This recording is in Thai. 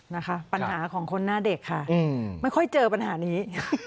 นะคะปัญหาของคนหน้าเด็กค่ะไม่ค่อยเจอปัญหานี้